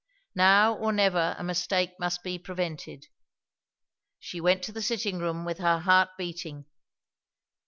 Now or never a mistake must be prevented. She went to the sitting room with her heart beating.